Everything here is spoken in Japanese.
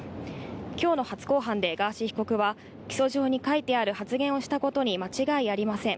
きょうの初公判でガーシー被告は、起訴状に書いてある発言をしたことに間違いありません。